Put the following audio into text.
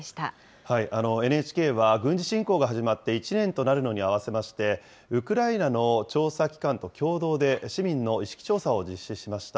ＮＨＫは軍事侵攻が始まって１年となるのに合わせまして、ウクライナの調査機関と共同で市民の意識調査を実施しました。